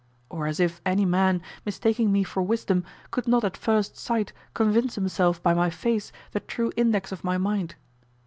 Or as if any man, mistaking me for wisdom, could not at first sight convince himself by my face the true index of my mind?